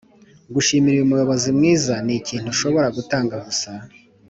gushimira umuyobozi mwiza nikintu ushobora gutanga gusa.